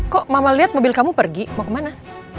kok mama lihat mobil kamu pergi mau kemana